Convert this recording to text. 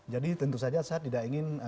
jadi tentu saja saya tidak ingin